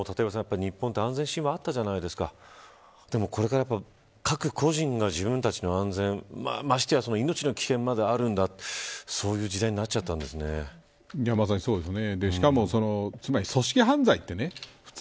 日本って安全神話あったじゃないですかこれから各個人が自分たちの安全ましてや命の危険まであるんだそういう時代になっちゃったんですね。